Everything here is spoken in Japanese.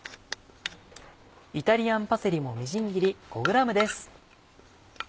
イタリアンパセリもみじん切り５ｇです。